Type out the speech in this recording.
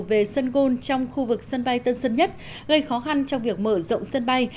về sân gôn trong khu vực sân bay tân sơn nhất gây khó khăn trong việc mở rộng sân bay